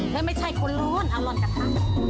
เธอไม่ใช่คนร้อนเอาร้อนกระทะ